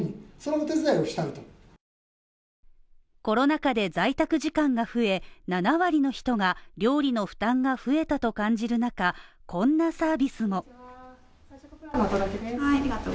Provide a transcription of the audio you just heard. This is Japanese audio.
コロナ禍で在宅時間が増え、７割の人が料理の負担が増えたと感じる中、こんなサービスも。